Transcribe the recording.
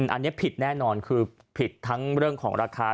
อันนี้ผิดแน่นอนคือผิดทั้งเรื่องของราคา